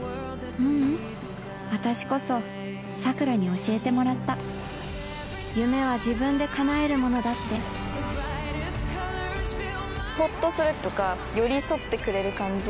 ううん私こそさくらに教えてもらった夢は自分でかなえるものだってホッとするとか寄り添ってくれる感じ。